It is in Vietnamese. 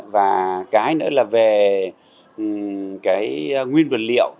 và cái nữa là về cái nguyên vật liệu